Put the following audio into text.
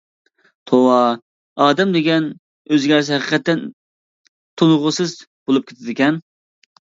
توۋا، ئادەم دېگەن ئۆزگەرسە ھەقىقەتەن تونۇغۇسىز بولۇپ كېتىدىكەن.